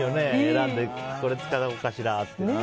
選んでこれ使おうかしらってね。